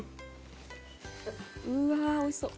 うわーおいしそう！